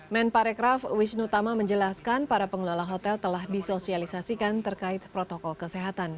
men parekraf wisnu tama menjelaskan para pengelola hotel telah disosialisasikan terkait protokol kesehatan